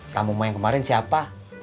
tamu mau yang kemarin siapa